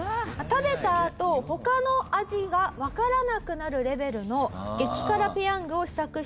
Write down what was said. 食べたあと他の味がわからなくなるレベルの激辛ペヤングを試作したコジマさん。